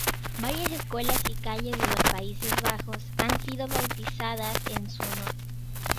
Varias escuelas y calles de los Países Bajos han sido bautizadas en su honor.